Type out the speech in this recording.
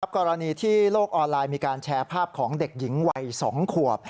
กรณีที่โลกออนไลน์มีการแชร์ภาพของเด็กหญิงวัย๒ขวบ